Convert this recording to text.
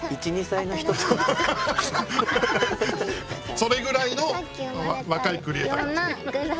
それぐらいの若いクリエーター。